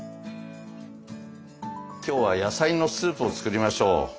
今日は野菜のスープを作りましょう。